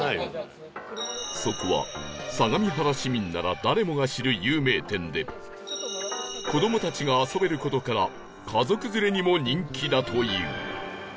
そこは相模原市民なら誰もが知る有名店で子どもたちが遊べる事から家族連れにも人気だという